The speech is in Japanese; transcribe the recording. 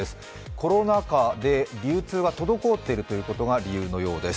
コロナ禍で流通が滞っていることが理由のようです。